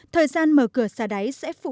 thời gian mở cửa xả đáy sẽ phục vụ